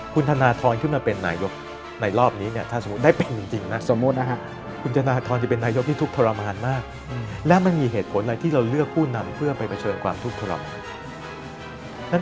คุณธนทรขึ้นมาเป็นนายกในรอบนี้เนี่ยถ้าสมมุติได้เป็นจริงนะสมมุตินะฮะคุณธนทรจะเป็นนายกที่ทุกข์ทรมานมากและมันมีเหตุผลอะไรที่เราเลือกผู้นำเพื่อไปเผชิญความทุกข์ทรมานไหม